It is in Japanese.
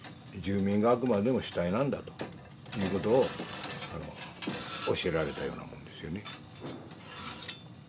住民があくまでも主体なんだということを教えられたようなもんですよね。